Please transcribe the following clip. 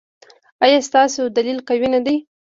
ایا ستاسو دلیل قوي نه دی؟